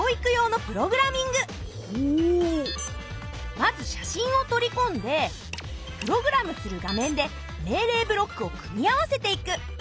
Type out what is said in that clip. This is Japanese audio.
まず写真を取り込んでプログラムする画面で命令ブロックを組み合わせていく。